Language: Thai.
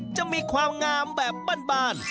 จะมีความงามแบบบ้าน